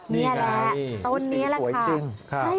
นี่แหละต้นนี้แหละค่ะนี่สีสวยจริง